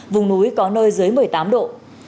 vùng núi có nơi dưới một mươi tám độ